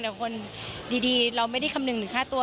เดี๋ยวคนดีเราไม่ได้คำหนึ่งถึงค่าตัว